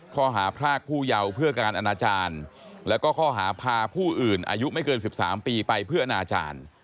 ข้อหาพรากผู้เยาว์เพื่อการอนาจารย์แล้วก็ข้อหาพาผู้อื่นอายุไม่เกิน๑๓ปีไปเพื่ออนาจารย์